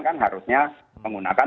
kan harusnya menggunakan